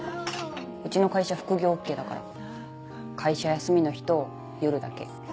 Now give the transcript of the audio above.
うちの会社副業ＯＫだから会社休みの日と夜だけ。